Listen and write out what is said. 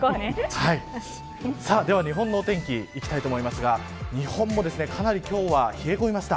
では、日本のお天気いきたいと思いますが日本もかなり今日は冷え込みました。